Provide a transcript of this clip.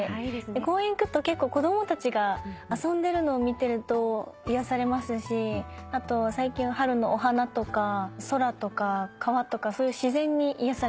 公園行くと結構子供たちが遊んでるのを見てると癒やされますしあと最近春のお花とか空とか川とかそういう自然に癒やされてます。